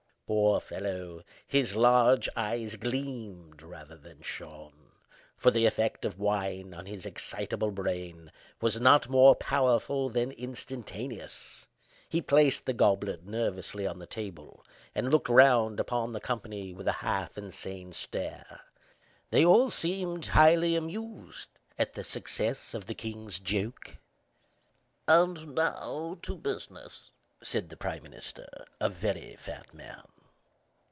Poor fellow! his large eyes gleamed, rather than shone; for the effect of wine on his excitable brain was not more powerful than instantaneous. He placed the goblet nervously on the table, and looked round upon the company with a half insane stare. They all seemed highly amused at the success of the king's 'joke.' "And now to business," said the prime minister, a very fat man.